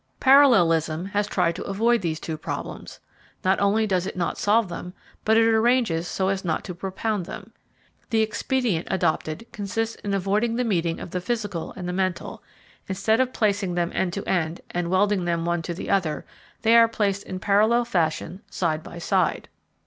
Parallelism, has tried to avoid these two problems; not only does it not solve them, but it arranges so as not to propound them. The expedient adopted consists in avoiding the meeting of the physical and the mental; instead of placing them end to end and welding one to the other, they are placed in parallel fashion side by side.